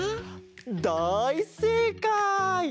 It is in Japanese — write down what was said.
だいせいかい！